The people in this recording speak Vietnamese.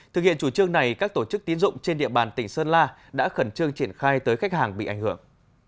thực hiện chủ trương này các tổ chức tín dụng trên địa bàn tỉnh sơn la đã khẩn trương triển khai tới khách hàng bị ảnh hưởng